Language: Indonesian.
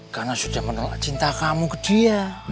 karena sudah menolak cinta kamu ke dia